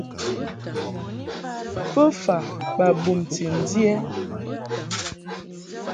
Bofa ba bumti ndi ɛ?